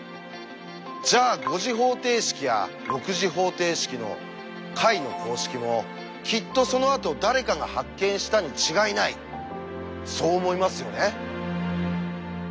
じゃあ５次方程式や６次方程式の解の公式もきっとそのあと誰かが発見したに違いないそう思いますよね。